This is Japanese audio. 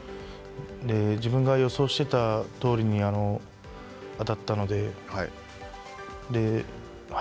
自分が予想していたとおりに当たったので。